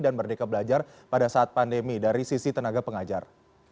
dan merdeka belajar pada saat pandemi dari sisi tenaga pengajar